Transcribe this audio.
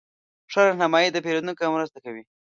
ښه رهنمایي د پیرودونکو مرسته کوي.